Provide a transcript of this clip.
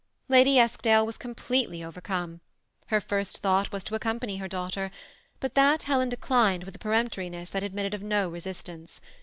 Lady Eskdale was completely overcome. Her first thought was to accompany her daughter; but that Helen declined with a peremptoriness that admitted of no resistance.